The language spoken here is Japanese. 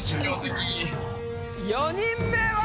４人目は。